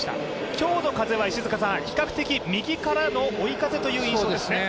今日の風は比較的右からの追い風という印象ですね。